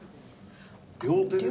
両手で。